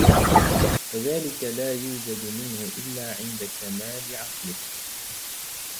وَذَلِكَ لَا يُوجَدُ مِنْهُ إلَّا عِنْدَ كَمَالِ عَقْلِهِ